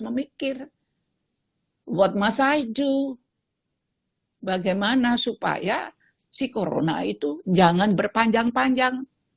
berpikir what must i do bagaimana supaya si corona itu jangan berpanjang panjang